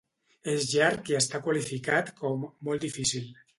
És llarg i està qualificat com "Molt difícil".